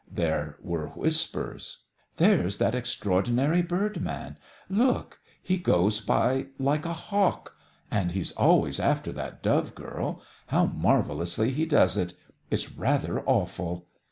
There were whispers. "There's that extraordinary bird man! Look! He goes by like a hawk. And he's always after that dove girl. How marvellously he does it! It's rather awful.